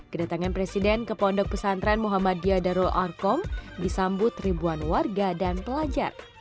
kedatangan presiden kepondok pesantren muhammadiyah darul arkom disambut ribuan warga